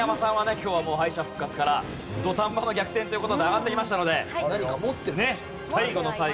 今日は敗者復活から土壇場の逆転という事で上がってきましたので最後の最後まで。